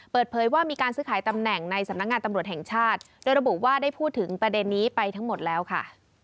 เปิดเผยว่ามีการซื้อขายตำแหน่งในสำนักงานตำรวจแห่งชาติโดยระบุว่าได้พูดถึงประเด็นนี้ไปทั้งหมดแล้วค่ะ